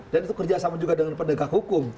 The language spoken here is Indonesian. dan itu kerjasama juga dengan pendegang hukum